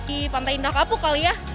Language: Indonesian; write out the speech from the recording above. di pantai indah kapuk kali ya